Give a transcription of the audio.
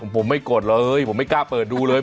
ผมไม่กดเลยผมไม่กล้าเปิดดูเลย